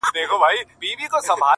لکه جنډۍ د شهید قبر د سر -